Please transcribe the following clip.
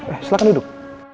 eh silahkan duduk